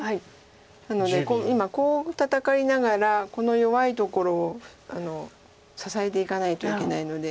なので今コウを戦いながらこの弱いところを支えていかないといけないので。